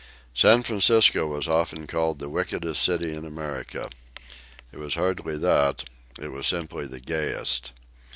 San Francisco was often called the wickedest city in America. It was hardly that, it was simply the gayest.